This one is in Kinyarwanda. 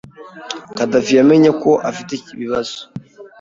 Khadafi yamenye ko afite ibibazo.